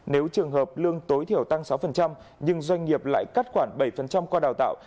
nếu trường hợp lương tối thiểu tăng sáu nhưng doanh nghiệp lại cắt khoảng bảy qua đào tạo